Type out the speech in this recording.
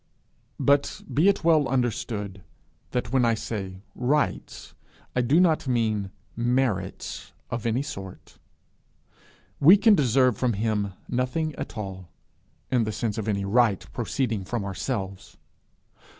But be it well understood that when I say rights, I do not mean merits of any sort. We can deserve from him nothing at all, in the sense of any right proceeding from ourselves.